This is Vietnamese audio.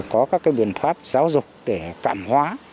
có các biện pháp giáo dục để cảm hóa